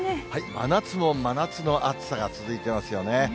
真夏の真夏の暑さが続いていますよね。